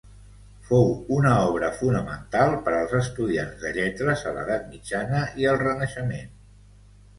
Fou una obra fonamental per als estudiants de lletres a l'edat mitjana i al Renaixement.